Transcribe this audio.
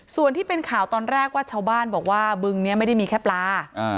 ส่วนที่เป็นข่าวตอนแรกว่าชาวบ้านบอกว่าบึงนี้ไม่ได้มีแค่ปลา